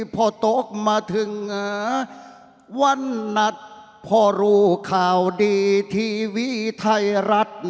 โต๊ะมาถึงวันนัดพ่อรู้ข่าวดีทีวีไทยรัฐ